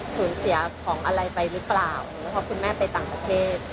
สูญเสียของอะไรไปหรือเปล่าแล้วพอคุณแม่ไปต่างประเทศ